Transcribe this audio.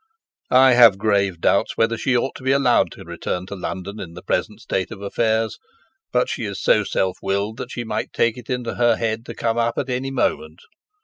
I have grave doubts whether she ought to be allowed to return to London in the present state of affairs, but she is so self willed that she might take it into her head to come up at any moment.